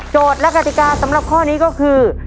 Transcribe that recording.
และกติกาสำหรับข้อนี้ก็คือ